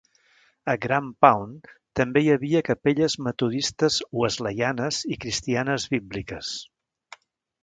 A Grampound també hi havia capelles metodistes wesleyanes i cristianes bíbliques.